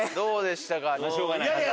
しょうがない。